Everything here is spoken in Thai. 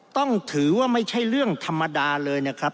ต้องถือว่าไม่ใช่เรื่องธรรมดาเลยนะครับ